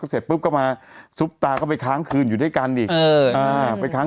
เสร็จปุ๊บก็มาซุปตาก็ไปค้างคืนอยู่ด้วยกันอีก